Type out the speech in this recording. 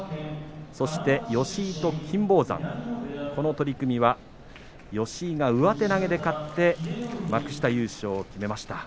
吉井と金峰山、この取組は吉井が上手投げで勝って幕下優勝を決めました。